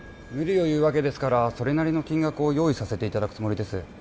無理を言うわけですからそれなりの金額を用意させていただくつもりです